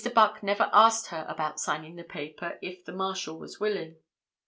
Buck never asked her about signing the paper if the marshal was willing.